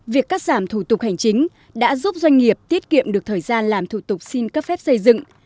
việc cắt giảm thủ tục hành chính đã giúp doanh nghiệp tiết kiệm được thời gian làm thủ tục xin cấp phép xây dựng